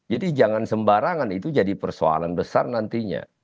jadi jangan sembarangan itu jadi persoalan besar nantinya